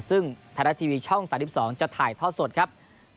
ซึ่งไทยรัฐทีวีช่อง๓๒จะถ่ายท่อสดครับ